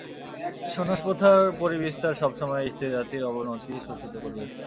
সন্ন্যাস-প্রথার পরিবিস্তার সব সময়েই স্ত্রীজাতির অবনতি সূচিত করিয়াছে।